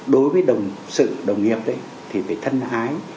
đối với sự đồng nghiệp thì phải thân ái